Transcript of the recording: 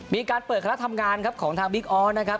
มีการเปิดคณะทำงานครับของทางบิ๊กออสนะครับ